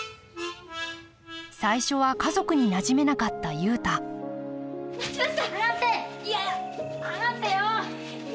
最初は家族になじめなかった雄太待ちなさい！